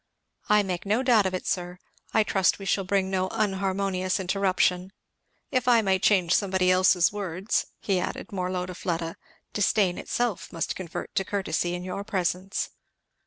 "I make no doubt of it, sir; I trust we shall bring no unharmonious interruption. If I may change somebody else's words," he added more low to Fleda, "disdain itself must convert to courtesy in your presence."